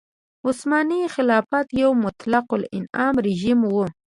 عثماني خلافت یو مطلق العنان رژیم و.